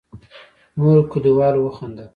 نورو کليوالو وخندل.